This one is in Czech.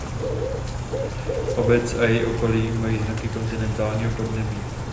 Obec a její okolí mají znaky kontinentálního podnebí.